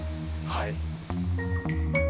はい。